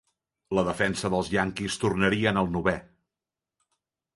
La defensa dels Yankees tornaria en el novè.